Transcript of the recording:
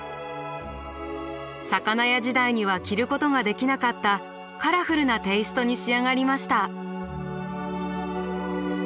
魚屋時代には着ることができなかったカラフルなテーストに仕上がりました。